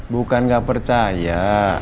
bukan gak percaya